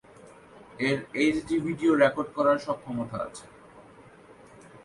এর HD video record করার সক্ষমতা আছে।